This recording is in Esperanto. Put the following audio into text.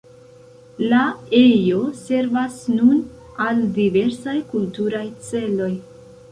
La ejo servas nun al diversaj kulturaj celoj.